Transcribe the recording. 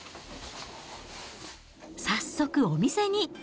早速、お店に。